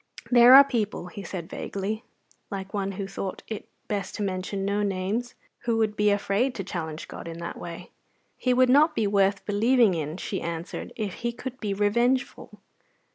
"There are people," he said vaguely, like one who thought it best to mention no names, who would be afraid to challenge God in that way." "He would not be worth believing in," she answered, "if He could be revengeful.